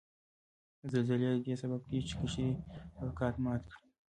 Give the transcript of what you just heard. زلزلې ددې سبب کیږي چې قشري طبقات مات کړي